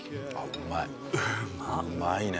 うまいね。